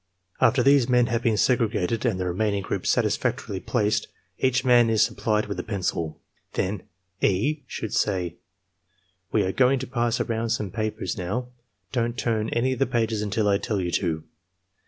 After these men have been segregated and the remaining group satisfactorily placed, each man is supplied with a pencil. Then E. should say: "We are going to pass around some papers now; don't turn any of the pages imtil I tell you to."